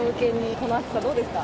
この暑さはどうですか？